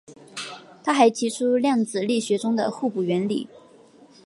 他还提出量子力学中的互补原理。